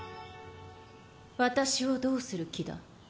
私をどうする気だ？